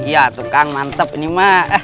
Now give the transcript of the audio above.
cilok barokah yang cihuy